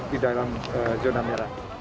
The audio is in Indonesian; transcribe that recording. di dalam zona merah